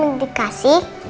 aku mau dikasih